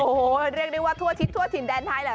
โอ้โหเรียกได้ว่าทั่วทิศทั่วถิ่นแดนไทยแหละ